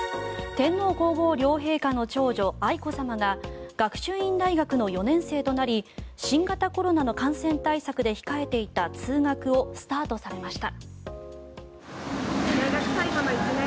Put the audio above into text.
天皇・皇后両陛下の長女愛子さまが学習院大学の４年生となり新型コロナの感染対策で控えていた通学をスタートされました。